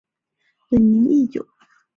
本名义久。